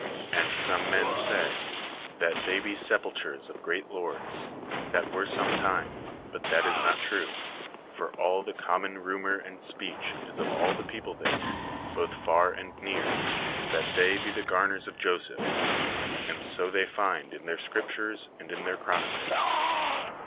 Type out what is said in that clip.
And some men say, that they 32 THE SEyEN WONDERS be sepultures of great lords, that were sometime, but that is not true, for all the common rumour and speech is of all the people there, both far and near, that they be the garners of Joseph, and so they find in their scriptures, and in their chronicles.